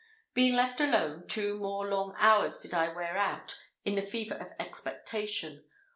Being left alone, two more long hours did I wear out in the fever of expectation.